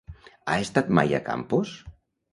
Has estat mai a Campos?